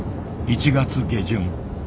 １月下旬。